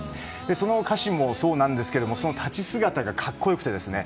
その歌詞もそうなんですが立ち姿が格好良くてですね。